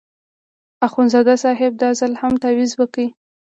اخندزاده صاحب دا ځل هم تاویز ورکړ.